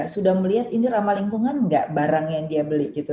sudah melihat ini ramah lingkungan nggak barang yang dia beli gitu